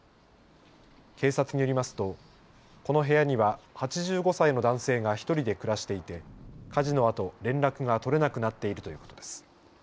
警察によりますとこの部屋には８５歳の男性が１人で暮らしていて火事のあと連絡が取れなくなっているということです。